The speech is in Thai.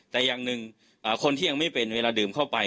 แต่อย่างหนึ่งคนที่ยังไม่เป็นเวลาดื่มเข้าไป